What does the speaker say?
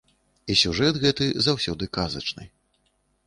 І сюжэт гэты заўсёды казачны.